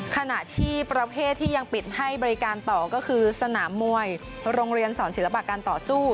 ขณะที่ประเภทที่ยังปิดให้บริการต่อก็คือสนามมวยโรงเรียนสอนศิลปะการต่อสู้